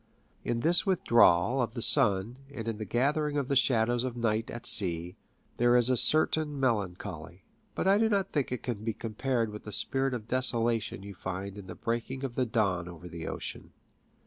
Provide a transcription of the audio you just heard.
In this withdrawal of the sun, and in the gathering of the shadows of night at sea, there is a certain melancholy ; but I do not think it can be compared with the spirit of desolation you find in the breaking of the dawn over the ocean.